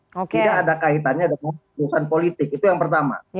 tidak ada kaitannya dengan keputusan politik itu yang pertama